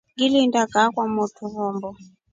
Ngilinda kaa kwa mwotru rombo.